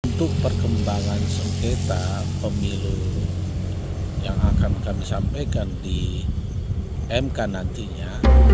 untuk perkembangan sengketa pemilu yang akan kami sampaikan di mk nantinya